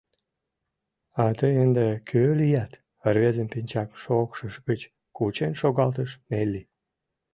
А тый ынде кӧ лият? — рвезым пинчак шокшыж гыч кучен шогалтыш Нелли.